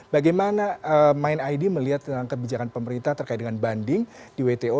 bagaimana mind id melihat tentang kebijakan pemerintah terkait dengan banding di wto